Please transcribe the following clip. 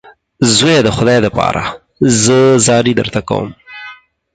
زویه د خدای دپاره زه زارۍ درته کوم.